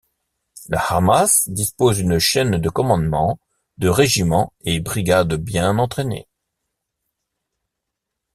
Le Hamas dispose d'une chaîne de commandement, de régiments et brigades bien entraînés.